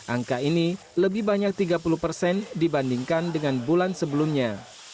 angka ini lebih banyak tiga puluh persen dibandingkan dengan bulan sebelumnya